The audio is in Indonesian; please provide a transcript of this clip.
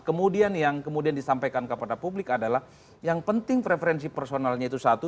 kemudian yang kemudian disampaikan kepada publik adalah yang penting preferensi personalnya itu satu